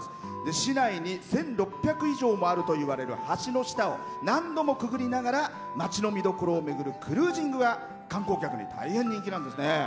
市内に１６００以上もあるといわれている橋の下を何度もくぐりながら街の見どころを巡るクルージングが観光客に大変人気なんですね。